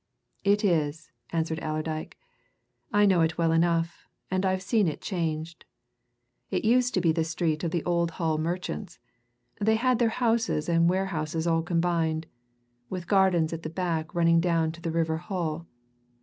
"It is," answered Allerdyke. "I know it well enough, and I've seen it changed. It used to be the street of the old Hull merchants they had their houses and warehouses all combined, with gardens at the back running down to the river Hull.